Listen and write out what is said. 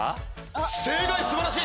正解素晴らしい。